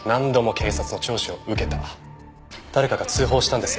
誰かが通報したんです。